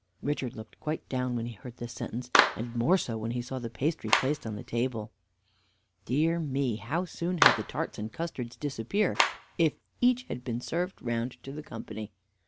Richard looked quite down when he heard this sentence, and more so when he saw the pastry placed on the table. Dear me, how soon had the tarts and custards disappeared, if one of each had been served round to the company!